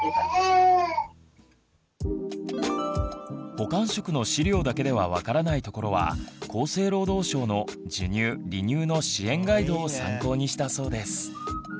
補完食の資料だけでは分からないところは厚生労働省の「授乳・離乳の支援ガイド」を参考にしたそうです。